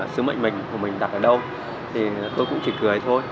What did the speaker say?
sứ mệnh mình của mình đặt ở đâu thì tôi cũng chỉ cười thôi